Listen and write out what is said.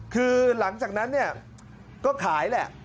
คือหลังจากนั้นก็ขายแหละ